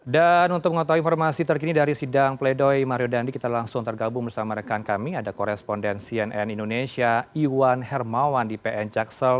dan untuk mengotak informasi terkini dari sidang pledoi mario dandi kita langsung tergabung bersama rekan kami ada koresponden cnn indonesia iwan hermawan di pn caksel